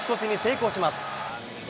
勝ち越しに成功します。